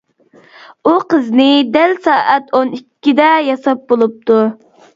ئۇ قىزنى دەل سائەت ئون ئىككىدە ياساپ بولۇپتۇ.